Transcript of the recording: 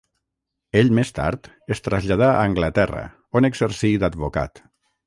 Ell més tard es traslladà a Anglaterra on exercí d'advocat.